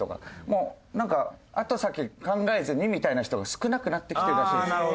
もうなんか後先考えずにみたいな人が少なくなってきてるらしいんです。